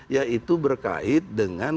yaitu berkait dengan